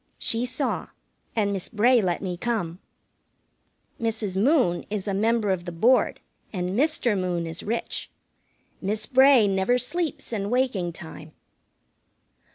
She saw, and Miss Bray let me come. Mrs. Moon is a member of the Board, and Mr. Moon is rich. Miss Bray never sleeps in waking time.